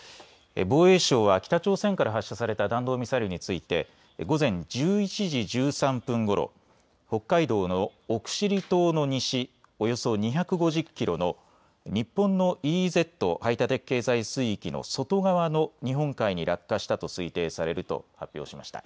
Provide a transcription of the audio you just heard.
防衛省は北朝鮮から発射された弾道ミサイルについて午前１１時１３分ごろ、北海道の奥尻島の西およそ２５０キロの日本のＥＥＺ・排他的経済水域の外側の日本海に落下したと推定されると発表しました。